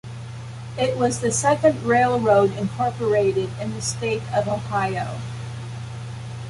It was the second railroad incorporated in the state of Ohio.